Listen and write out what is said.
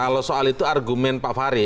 kalau soal itu argumen pak fahri